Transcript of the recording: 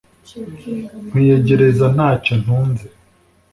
Nkwiyegereza ntacyo ntunze